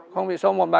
không bị sâu mọt